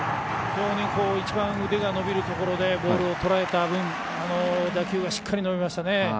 一番、腕が伸びるところでボールをとらえた分打球がしっかり伸びましたね。